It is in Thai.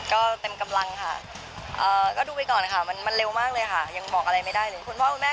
เรียกว่าเขาเจอหน้าติดแล้วชัดเต็มนะครับมิน